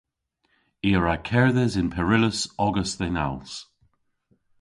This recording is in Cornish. I a wra kerdhes yn peryllus ogas dhe'n als.